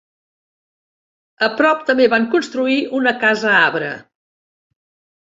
A prop, també van construir una casa-arbre.